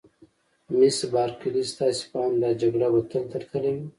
مس بارکلي: ستاسي په اند دا جګړه به تل تر تله وي؟